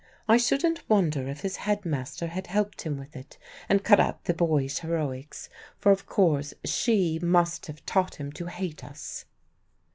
I shouldn't wonder if his headmaster had helped him with it and cut out the boyish heroics; for of course she must have taught him to hate us."